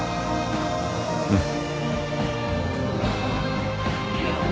うん。